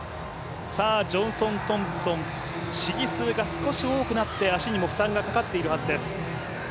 ジョンソン・トンプソン試技数が少し多くなって足にも負担がかかっているはずです。